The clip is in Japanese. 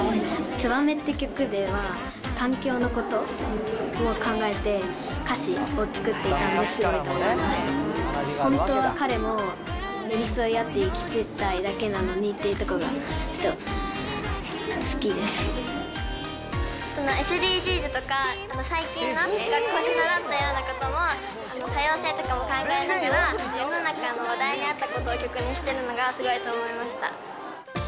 ツバメって曲では、環境のことを考えて歌詞を作っていたりとかして、本当は彼も寄り添い合って生きていたいだけなのにっていうところＳＤＧｓとか、最近の学校で習ったようなことも、多様性とかも考えながら、世の中の話題にあったことを曲にしてるのがすごいと思いました。